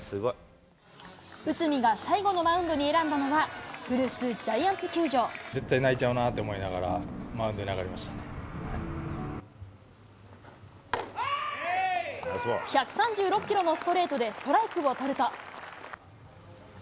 内海が最後のマウンドに選んだのは、古巣、絶対泣いちゃうなぁって思い１３６キロのストレートでストライクを取ると。